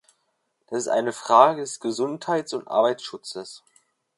Das ist eine Frage des Gesundheits- und Arbeitsschutzes.